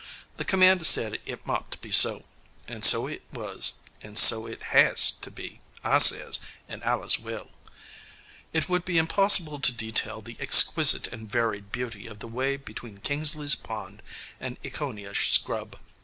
The commander said it mought be so, and so hit was; and so it has to be, I says, and allays will." [Illustration: TWIN LAKE.] It would be impossible to detail the exquisite and varied beauty of the way between Kingsley's Pond and Ekoniah Scrub.